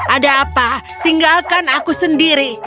ada apa tinggalkan aku sendiri